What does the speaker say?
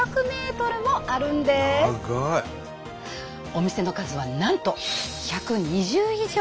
お店の数はなんと１２０以上！